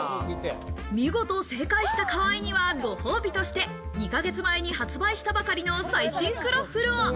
見事正解した河合にはご褒美として、２ヶ月前に発売したばかりの最新クロッフルを。